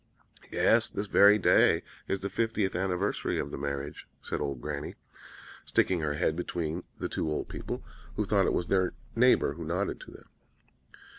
"'Yes, this very day is the fiftieth anniversary of the marriage,' said old Granny, sticking her head between the two old people; who thought it was their neighbor who nodded to them.